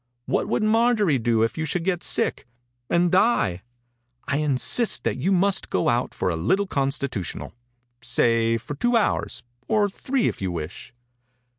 What would Mar jorie do if you should get sick — and die? I insist that you must go out for a little consti tutional. Say for two hours, or three, if you wish."